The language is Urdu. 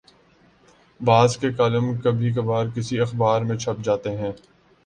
بعض کے کالم کبھی کبھارکسی اخبار میں چھپ جاتے ہیں۔